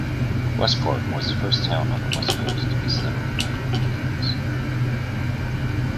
Westport was the first town on the West Coast to be settled by Europeans.